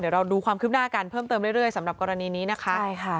เดี๋ยวเราดูความคืบหน้ากันเพิ่มเติมเรื่อยสำหรับกรณีนี้นะคะใช่ค่ะ